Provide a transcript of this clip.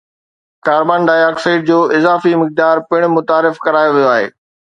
carbon dioxide جو اضافي مقدار پڻ متعارف ڪرايو ويو آهي